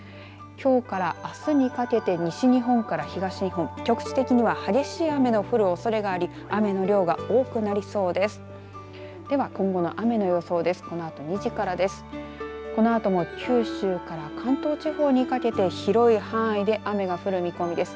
きょうからあすにかけて西日本から東日本局地的に激しい雨の降るおそれがあり雨の量が多くなりそうです。